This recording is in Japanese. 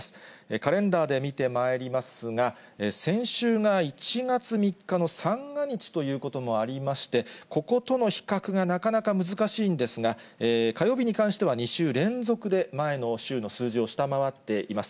カレンダーで見てまいりますが、先週が１月３日の三が日ということもありまして、こことの比較がなかなか難しいんですが、火曜日に関しては２週連続で前の週の数字を下回っています。